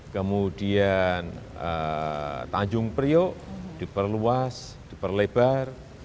kemudian tanjung priok diperluas diperlebar